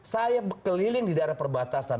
saya keliling di daerah perbatasan